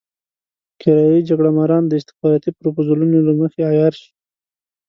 کرايه يي جګړه ماران د استخباراتي پروپوزلونو له مخې عيار شي.